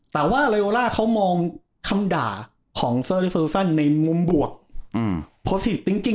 แต่ว่าเรโอล่าเขามองคำด่าของเซอร์รี่เซอร์ซูซันในมุมบวกอืม